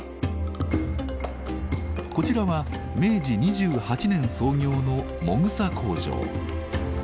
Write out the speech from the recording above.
こちらは明治２８年創業のもぐさ工場。